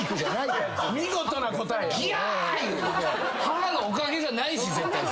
母のおかげじゃないし絶対それ。